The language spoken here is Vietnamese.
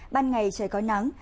ban ngày trời có nắng